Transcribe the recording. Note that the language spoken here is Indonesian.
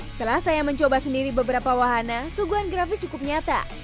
setelah saya mencoba sendiri beberapa wahana suguhan grafis cukup nyata